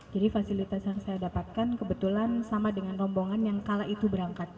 jadi fasilitas yang saya dapatkan kebetulan sama dengan rombongan yang kala itu berangkat